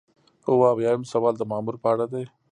اووه اویایم سوال د مامور په اړه دی.